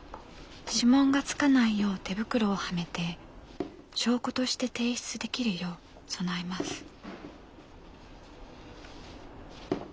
指紋がつかないよう手袋をはめて証拠として提出できるよう備えます。